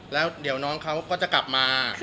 แล้วเดี๋ยวน้องเขาก็จะกลับมา